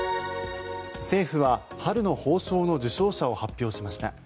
政府は春の褒章の受章者を発表しました。